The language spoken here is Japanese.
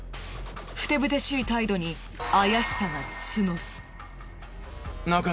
ふてぶてしい態度に怪しさが募る。